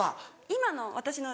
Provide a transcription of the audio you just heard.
今の私の？